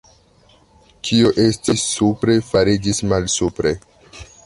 Kio estis supre, fariĝis malsupre!